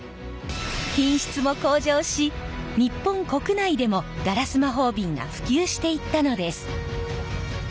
品質も向上し日本国内でもガラス魔法瓶が普及していったのです！